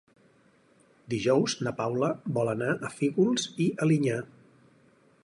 Dijous na Paula vol anar a Fígols i Alinyà.